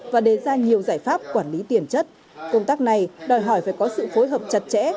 và đề ra nhiều giải pháp quản lý tiền chất công tác này đòi hỏi phải có sự phối hợp chặt chẽ